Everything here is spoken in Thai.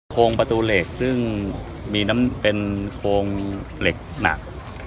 โครงประตูเหล็กซึ่งมีน้ำเป็นโครงเหล็กหนัก